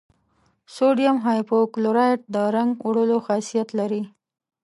سوډیم هایپو کلورایټ د رنګ وړلو خاصیت لري.